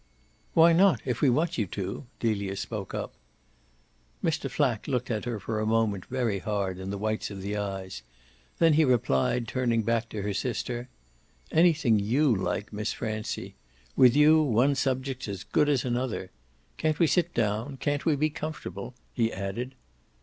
"Why not, if we want you to?" Delia spoke up. Mr. Flack looked at her for a moment very hard, in the whites of the eyes; then he replied, turning back to her sister: "Anything YOU like, Miss Francie. With you one subject's as good as another. Can't we sit down? Can't we be comfortable?" he added.